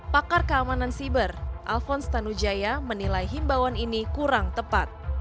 pakar keamanan siber alphonse tanujaya menilai himbawan ini kurang tepat